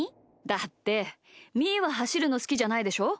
だってみーははしるのすきじゃないでしょ？